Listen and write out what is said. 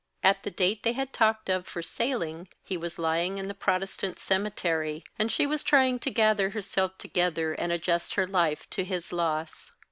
At the date they had talked of for sailing he was lying in the Protestant cemetery, and she was trying to gather herself together, and adjust her life to his loss.